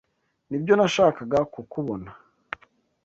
Nibyo nashakaga kukubona.